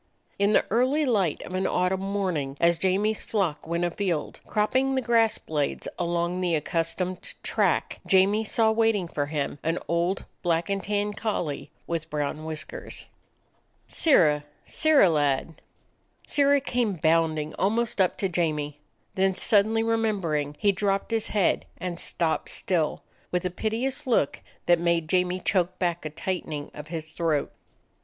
In the early light of an autumn morning, as Jamie's flock went afield, cropping the grass blades along the accustomed track, Jamie saw waiting for him an old black and tan collie with brown whiskers. "Sirrah, Sirrah lad!" Sirrah came bounding almost up to Jamie. Then, suddenly remembering, he dropped his head and stopped still, with a piteous look that made Jamie choke back a tightening of his throat.